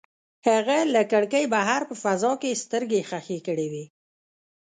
هغه له کړکۍ بهر په فضا کې سترګې ښخې کړې وې.